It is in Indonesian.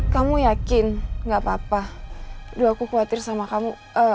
kamu yakin gak apa apa dulu aku khawatir sama kamu